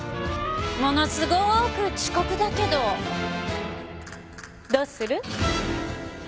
ものすごく遅刻だけどどうする？